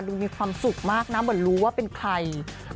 มีความสุขมากนะเหมือนรู้ว่าเป็นใคร